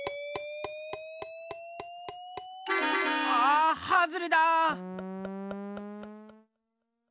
あはずれだ！